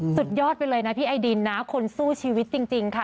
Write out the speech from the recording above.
สุดยอดไปเลยนะพี่ไอดินนะคนสู้ชีวิตจริงค่ะ